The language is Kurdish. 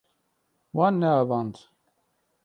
Wan neavand.